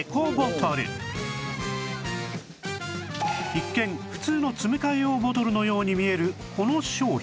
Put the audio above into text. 一見普通の詰め替え用ボトルのように見えるこの商品